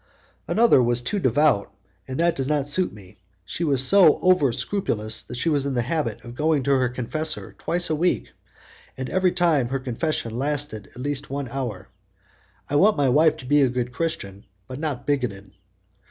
"Another was too devout, and that does not suit me. She was so over scrupulous that she was in the habit of going to her confessor twice a week, and every time her confession lasted at least one hour. I want my wife to be a good Christian, but not bigoted."